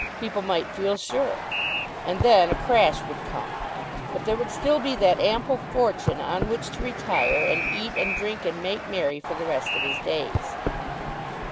People might feel sure. And then a crash would come. But there would still be that ample fortune on which to retire and eat and drink and make merry for the rest of his days.